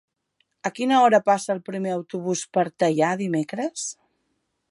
A quina hora passa el primer autobús per Teià dimecres?